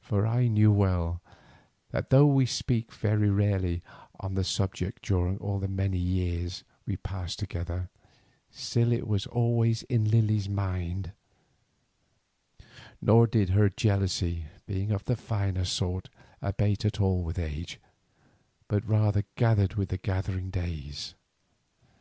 For I knew well, that though we spoke very rarely on the subject during all the many years we passed together, still it was always in Lily's mind; nor did her jealousy, being of the finer sort, abate at all with age, but rather gathered with the gathering days.